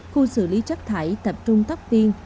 khu xử lý chấp thải tập trung tóc tiên